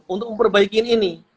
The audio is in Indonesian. untuk memperbaiki ini